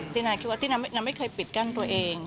นายคิดว่าที่นางไม่เคยปิดกั้นตัวเอง